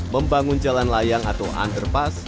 membangun jalan layang atau underpass